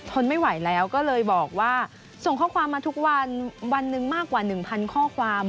ทนไม่ไหวแล้วก็เลยบอกว่าส่งข้อความมาทุกวันวันหนึ่งมากกว่า๑๐๐ข้อความ